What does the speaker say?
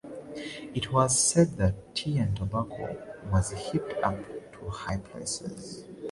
It was said that tea and tobacco was heaped up to high in places.